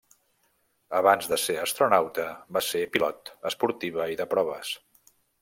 Abans de ser astronauta, va ser pilot esportiva i de proves.